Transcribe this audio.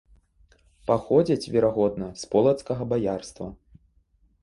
Паходзяць, верагодна, з полацкага баярства.